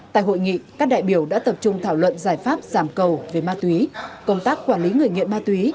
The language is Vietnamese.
tại hội nghị các đại biểu đã tập trung thảo luận giải pháp giảm cầu về ma túy công tác quản lý người nghiện ma túy